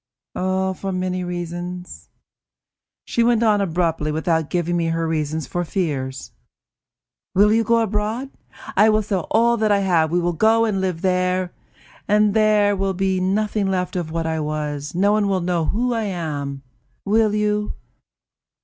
"For many reasons." And she went on abruptly, without giving me her reasons for fears: "Will you go abroad? I will sell all that I have; we will go and live there, and there will be nothing left of what I was; no one will know who I am. Will you?"